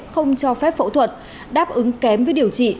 không cho phép phẫu thuật đáp ứng kém với điều trị